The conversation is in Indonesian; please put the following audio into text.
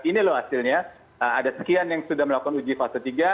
ini loh hasilnya ada sekian yang sudah melakukan uji fase tiga